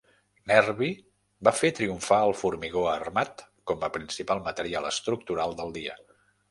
Nervi va fer triomfar el formigó armat com a principal material estructural del dia.